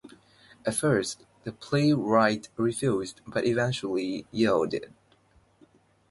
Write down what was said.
At first, the playwright refused, but eventually yielded.